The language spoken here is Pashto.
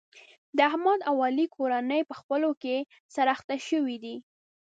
د احمد او علي کورنۍ په خپلو کې سره اخته شوې دي.